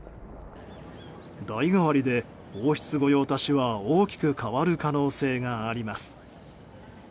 代替わりで王室御用達は大きく変わる可能性があります。